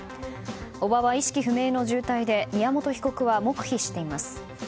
叔母は意識不明の重体で宮本被告は黙秘しています。